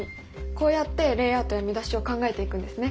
こうやってレイアウトや見出しを考えていくんですね。